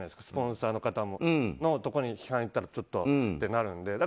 スポンサーの方のところに批判がいったらちょっととなるので。